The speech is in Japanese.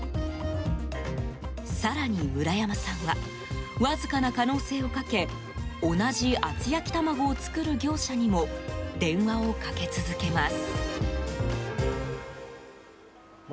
更に村山さんはわずかな可能性をかけ同じ厚焼き玉子を作る業者にも電話をかけ続けます。